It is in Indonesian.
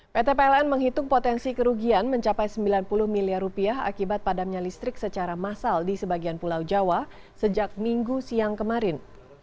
pt pln menghitung potensi kerugian mencapai sembilan puluh miliar rupiah akibat padamnya listrik secara massal di sebagian pulau jawa sejak minggu siang kemarin